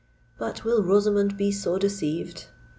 But will Rosamond be so deceived?